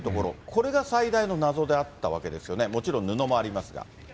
これが最大の謎であったわけですよね、もちろん布もありますが。